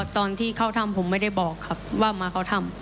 ตอนที่เขาทำผมไม่ได้บอกครับว่ามาเขาทำ